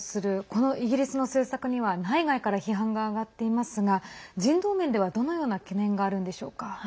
このイギリスの政策には内外から批判があがっていますが人道面ではどのような懸念があるんでしょうか。